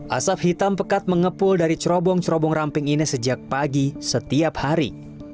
asap hitam pekat mengepul dari cerobong cerobong ramping ini sejak pagi setiap hari